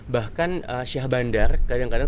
bahkan syah bandar kadang kadang tidak berubah